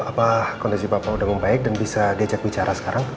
apa kondisi bapak sudah membaik dan bisa diajak bicara sekarang